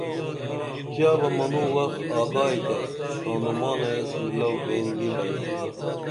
ژا بہ منوں وخ آگا ئتے تانومانہ ایس میلو بین نی بئیمہ